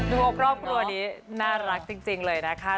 ครอบครัวนี้น่ารักจริงเลยนะคะ